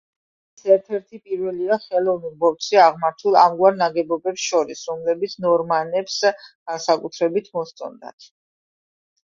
ის ერთ-ერთი პირველია ხელოვნურ ბორცვზე აღმართულ ამგვარ ნაგებობებს შორის, რომლებიც ნორმანებს განსაკუთრებით მოსწონდათ.